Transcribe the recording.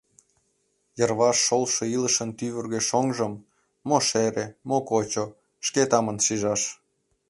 Йырваш шолшо илышын тӱвыргӧ шоҥжым — Мо шере, мо кочо — шке тамын шижаш.